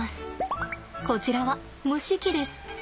こちらは蒸し器です。